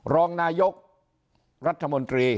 รองนายกรัฐมนตรี